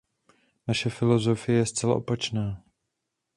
Naše filozofie je zcela opačná.